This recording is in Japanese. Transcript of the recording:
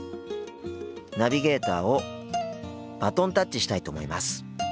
ナビゲーターをバトンタッチしたいと思います。